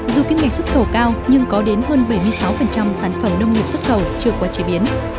dù kinh mệnh xuất khẩu cao nhưng có đến hơn bảy mươi sáu sản phẩm nông nghiệp xuất khẩu chưa qua chế biến